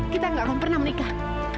kita gak akan pernah menikah